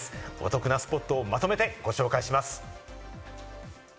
お得なスポットをまとめてご紹介します。